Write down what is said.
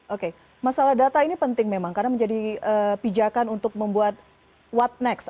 oke masalah data ini penting memang karena menjadi pijakan untuk membuat what next